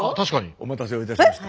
お待たせをいたしました。